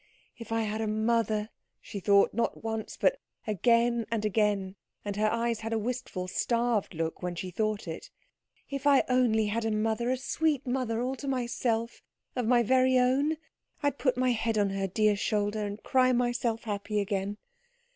"If I had a mother," she thought, not once, but again and again, and her eyes had a wistful, starved look when she thought it, "if I only had a mother, a sweet mother all to myself, of my very own, I'd put my head on her dear shoulder and cry myself happy again.